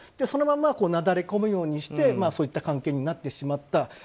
そのままなだれ込むようにしてそういった関係になってしまった。